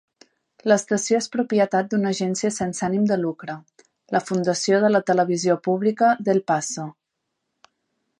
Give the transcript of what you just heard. L'estació és propietat d'una agència sense ànim de lucre, la Fundació de la Televisió Pública d'El Paso.